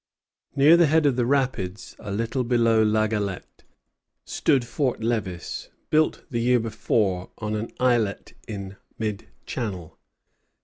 Near the head of the rapids, a little below La Galette, stood Fort Lévis, built the year before on an islet in mid channel.